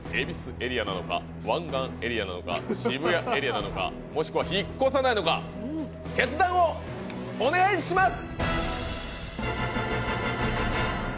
それでは恵比寿エリアなのか、湾岸エリアなのか、もしくは渋谷エリアなのかもしくは引っ越さないのか決断をお願いします！